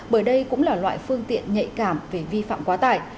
bởi đây cũng là loại phương tiện nhạy cảm về vi phạm quá tải